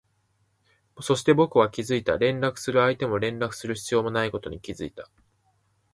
そして、僕は気づいた、連絡する相手も連絡する必要もないことに気づいた